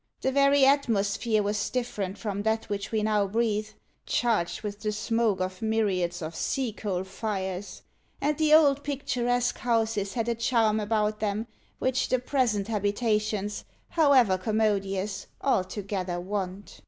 The very atmosphere was different from that which we now breathe, charged with the smoke of myriads of sea coal fires; and the old picturesque houses had a charm about them, which the present habitations, however commodious, altogether want."